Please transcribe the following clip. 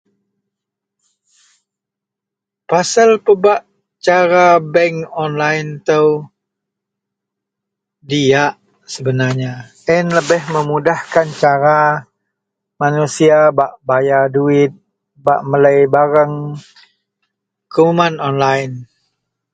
pasal pebak cara bank online itou diak sebenarnya, ien lebih memudahkan cara manusia bak bayar duwit bak melei barang kuman online